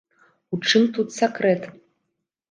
У чым тут сакрэт?